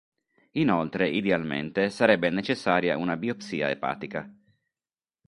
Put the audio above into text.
Inoltre, idealmente, sarebbe necessaria una biopsia epatica.